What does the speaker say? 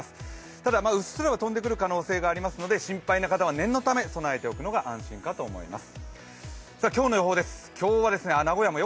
ただ、うっすらは飛んでくる可能性はありますので、心配な方は念のため備えておくのが安心かと思います。